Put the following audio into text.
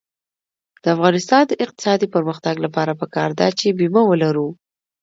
د افغانستان د اقتصادي پرمختګ لپاره پکار ده چې بیمه ولرو.